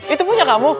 itu punya kamu